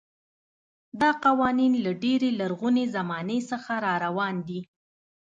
دا قوانین له ډېرې لرغونې زمانې څخه راروان دي.